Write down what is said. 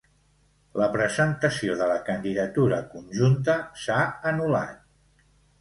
La presentació de la candidatura conjunta s'ha anul·lat